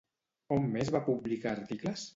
On més va publicar articles?